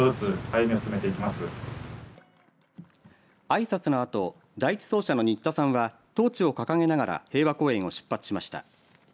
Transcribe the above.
あいさつのあと第１走者の新田さんはトーチを掲げながら平和公園を出発しました。